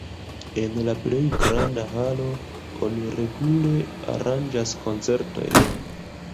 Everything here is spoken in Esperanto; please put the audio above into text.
En la plej granda halo oni regule aranĝas koncertojn.